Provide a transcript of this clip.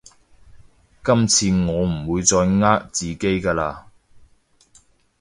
今次我唔會再呃自己㗎喇